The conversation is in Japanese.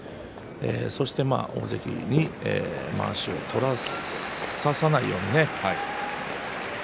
そして大関にまわしを取らさせないように。